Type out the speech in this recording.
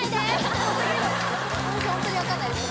ホントに分かんないです